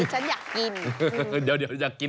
งี้ฉันไม่อายงี้ฉันอยากกิน